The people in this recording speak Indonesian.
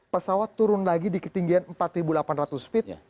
pesawat turun lagi di ketinggian empat delapan ratus feet